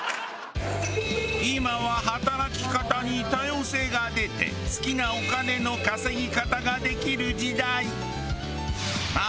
今は働き方に多様性が出て好きなお金の稼ぎ方ができる時代。